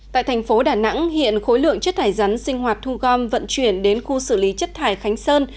tại thành phố đà nẵng hiện khối lượng chất thải rắn sinh hoạt thu gom vận chuyển đến khu xử lý chất thải khánh sơn